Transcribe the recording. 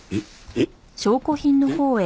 えっ？